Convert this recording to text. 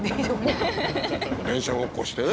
電車ごっこしてね。